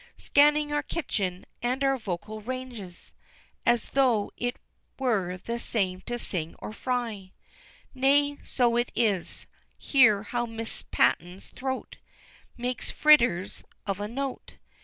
Scanning our kitchen, and our vocal ranges, As tho' it were the same to sing or fry Nay, so it is hear how Miss Paton's throat Makes "fritters" of a note!